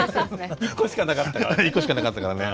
１個しかなかったからね。